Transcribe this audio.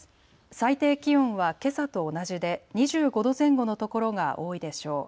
最低気温はけさと同じで２５度前後の所が多いでしょう。